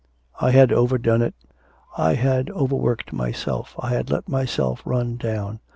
'I had overdone it. I had overworked myself. I had let myself run down.